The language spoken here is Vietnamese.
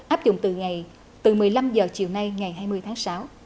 áp dụng từ một mươi năm giờ chiều nay ngày hai mươi tháng sáu